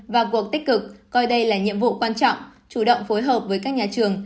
và cuộc tích cực coi đây là nhiệm vụ quan trọng chủ động phối hợp với các nhà trường